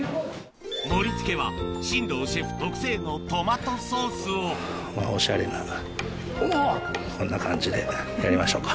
盛り付けは進藤シェフ特製のトマトソースをおしゃれなこんな感じでやりましょうか。